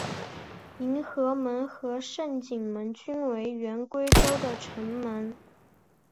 迎和门和景圣门均为原归州的城门。